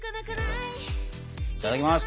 いただきます。